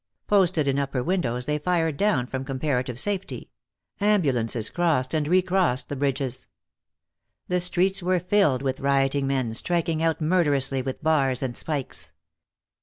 Posted in upper windows they fired down from comparative safety; ambulances crossed and re crossed the bridges. The streets were filled with rioting men, striking out murderously with bars and spikes.